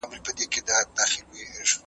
هغه د شعرونو دوولس مجموعې چاپ کړې.